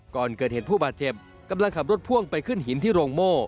ก่อนเกิดเหตุผู้บาดเจ็บกำลังขับรถพ่วงไปขึ้นหินที่โรงโม่